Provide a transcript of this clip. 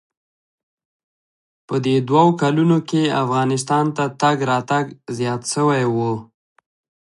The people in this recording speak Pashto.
په دې دوو کلونو کښې افغانستان ته تگ راتگ زيات سوى و.